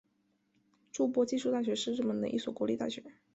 筑波技术大学是日本的一所国立大学。